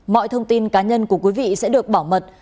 mọi thông tin cá nhân của quý vị sẽ được bảo mật